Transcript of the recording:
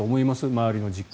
周りの実感。